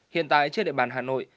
hiện tại trên địa bàn hà nội